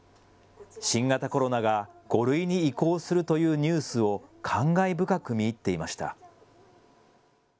新型コロナが５類に移行するというニュースを感慨深く見入っていました。